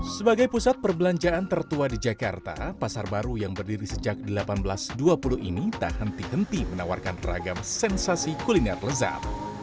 sebagai pusat perbelanjaan tertua di jakarta pasar baru yang berdiri sejak seribu delapan ratus dua puluh ini tak henti henti menawarkan ragam sensasi kuliner lezat